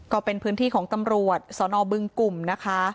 ก็เป็นพื้นที่ของตำรวจสนบึงกลุ่มนะคะ